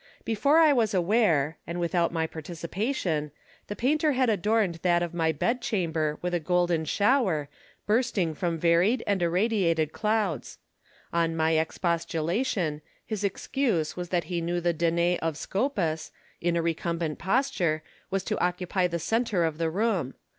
Before I was aware, and without my participation, the painter had adorned that of my bed chamber with a golden shower, bursting from varied and irradiated clouds. On my ex postulation, his excuse was that he knew the Danae of Scopas, in a recumbent posture, was to occupy the centre of the room.